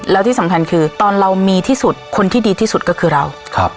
แล้วที่สำคัญคือตอนเรามีที่สุดคนที่ดีที่สุดก็คือเราครับ